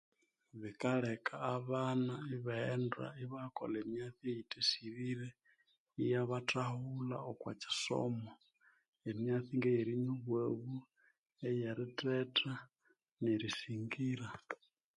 Bikaleka abana ibaghenda ibayakolha ebibi eyithisibirwe iyabathahulha okokisomo emyatsi ngerinywa obwabu eyerithetha nerisingira